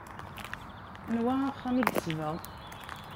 Anwa axxam i yesbeɣ?